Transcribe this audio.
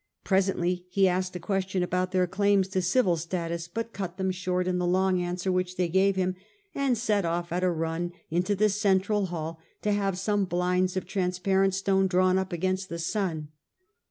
Presently he asked a ques tion about their claims to civil status, but cut them short in the long answer which they gave him, and set off at a run into the central hall, to have some blinds of transpa rent stone drawn up against the sun.